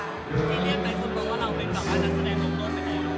ที่เรียกในสมมติว่าเราเป็นการแสดงตัวตัวสักอย่างยังไม่รู้